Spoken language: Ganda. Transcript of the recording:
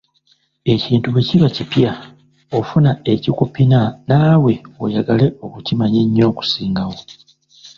Ekintu bwe kiba kipya, ofuna ekikupina naawe oyagale okukimannya ennyo okusingawo.